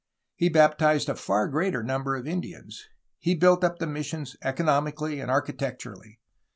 He baptized a far greater number of Indians. He built up the missions economically and architecturally.